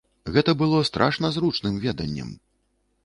Гэта было страшна зручным веданнем.